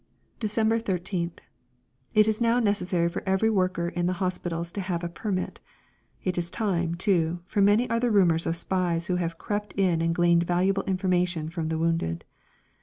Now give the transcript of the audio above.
December 13th. It is now necessary for every worker in the hospitals to have a permit. It is time, too, for many are the rumours of spies who have crept in and gleaned valuable information from the wounded.